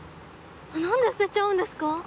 何で捨てちゃうんですか？